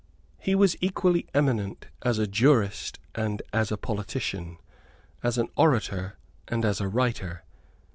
He was equally eminent as a jurist and as a politician, as an orator and as a writer.